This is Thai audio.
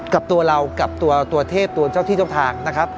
กับตัวเรากับตัวเทพตัวเจ้าที่เจ้าทางนะครับ